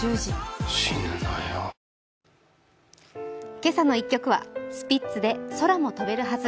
「けさの１曲」はスピッツで「空も飛べるはず」。